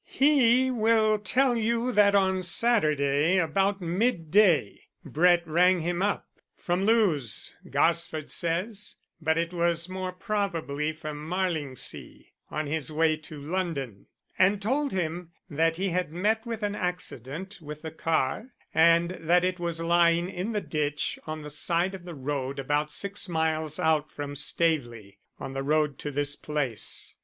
"He will tell you that on Saturday about midday Brett rang him up from Lewes, Gosford says, but it was more probably from Marlingsea, on his way to London and told him that he had met with an accident with the car, and that it was lying in the ditch on the side of the road about six miles out from Staveley on the road to this place.